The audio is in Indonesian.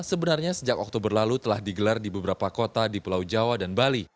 sebenarnya sejak oktober lalu telah digelar di beberapa kota di pulau jawa dan bali